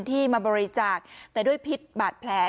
ที่มาบริจักษ์แต่ด้วยพิษบาดแพ้